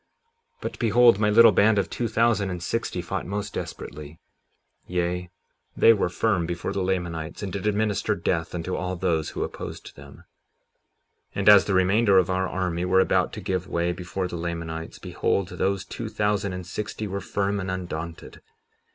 57:19 But behold, my little band of two thousand and sixty fought most desperately; yea, they were firm before the Lamanites, and did administer death unto all those who opposed them. 57:20 And as the remainder of our army were about to give way before the Lamanites, behold, those two thousand and sixty were firm and undaunted.